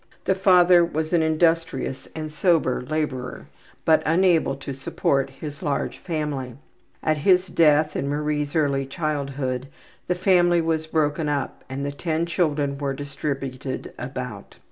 The father was an industrious and sober laborer, but unable to support his large family. At his death in Marie's early childhood the family was broken up and the ten children were distributed about.